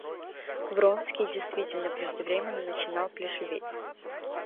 Вронский действительно преждевременно начинал плешиветь.